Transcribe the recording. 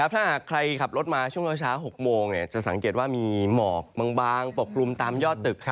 ถ้าหากใครขับรถมาช่วงเช้า๖โมงจะสังเกตว่ามีหมอกบางปกกลุ่มตามยอดตึก